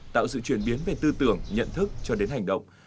tạo sự chuyển biến về tư tưởng nhận thức cho đến hành động